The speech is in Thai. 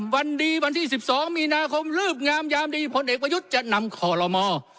วันดีวันที่๑๒มีนาคมลืบงามยามดีพลเอกประยุทธ์จะนำขอรมอ